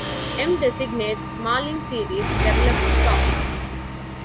"M" designates Malling series developed stocks.